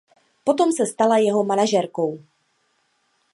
Potom se stala jeho manažerkou.